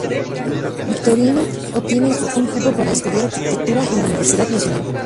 Victorino obtiene un cupo para estudiar arquitectura en la Universidad Nacional.